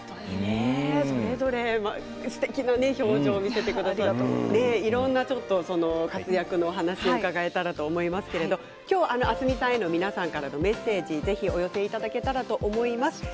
それぞれすてきな表情を見せてくれていろんな活躍のお話伺えたらと思っていますけれど明日海さんへの皆さんからのメッセージ、ぜひお寄せいただけたらと思います。